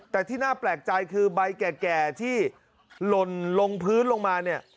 แต่ที่น่าแปลกใจคือใบแก่ที่หล่นลงพื้นลงมาเนี่ย